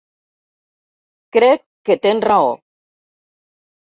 Crec que tens raó.